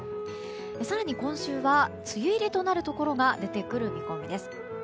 更に、今週は梅雨入りとなるところが出てくる見込みです。